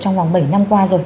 trong vòng bảy năm qua rồi